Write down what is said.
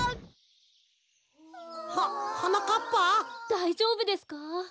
だいじょうぶですか？